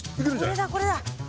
これだこれだ。